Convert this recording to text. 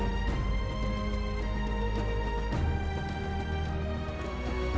ค่ะ